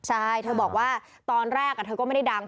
ใช่เธอบอกว่าตอนแรกเธอก็ไม่ได้ดัง